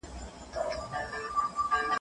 موږ د کلي له سپین ږیرو سره مجلس وکړ.